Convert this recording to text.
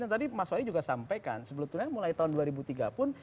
dan tadi mas wali juga sampaikan sebetulnya mulai tahun dua ribu tiga pun